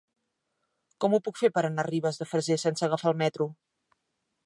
Com ho puc fer per anar a Ribes de Freser sense agafar el metro?